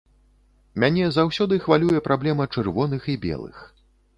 Мяне заўсёды хвалюе праблема чырвоных і белых.